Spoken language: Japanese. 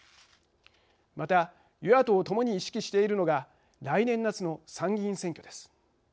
また与野党ともに意識しているのが来年夏の参議院選挙です。